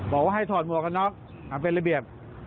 บอกว่าให้ถอดหมวกกันน็อกเอาเป็นระเบียบ